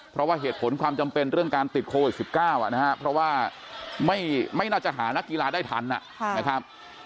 เพราะว่าเหตุผลความจำเป็นเรื่องการติดโควิด๑๙นะครับเพราะว่าไม่น่าจะหานักกีฬาได้ทันนะครับ